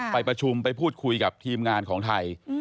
ไปประชุมไปพูดคุยกับทีมงานของไทย